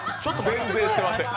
全然してません。